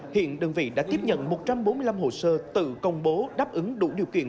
hiện đơn vị đã tiếp nhận một trăm bốn mươi năm hồ sơ tự công bố đáp ứng đủ điều kiện